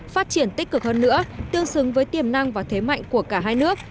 phát triển tích cực hơn nữa tương xứng với tiềm năng và thế mạnh của cả hai nước